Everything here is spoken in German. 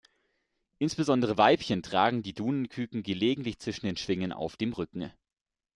Insbesondere Weibchen tragen die Dunenküken gelegentlich zwischen den Schwingen auf dem Rücken.